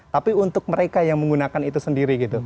tapi untuk mereka yang menggunakan itu sendiri gitu